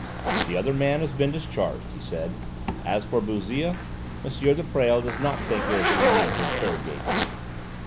"The other man has been discharged," he said. "As for Bouzille, M. de Presles does not think there is any need to interrogate him."